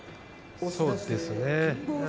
そうですね。